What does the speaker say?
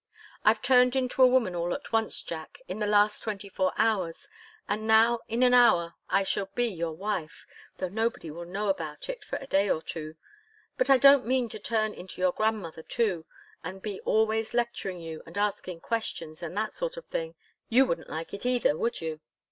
I've turned into a woman all at once, Jack, in the last twenty four hours, and now in an hour I shall be your wife, though nobody will know about it for a day or two. But I don't mean to turn into your grandmother, too, and be always lecturing you and asking questions, and that sort of thing. You wouldn't like it either, would you?"